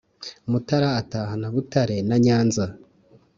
mutara atahana butare na nyanza